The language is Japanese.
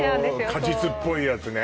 果実っぽいやつね